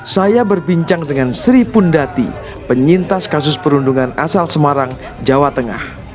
saya berbincang dengan sri pundati penyintas kasus perundungan asal semarang jawa tengah